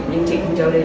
nhưng chị không cho lên